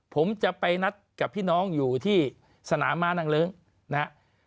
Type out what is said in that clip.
ผมจะไปนัดกับพี่น้องอยู่ที่สนามม้านางเลิ้งนะครับ